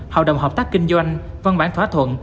hợp đồng hợp tác kinh doanh văn bản thỏa thuận